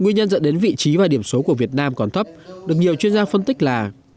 nguyên nhân dẫn đến vị trí và điểm số của việt nam còn thấp được nhiều chuyên gia phân tích là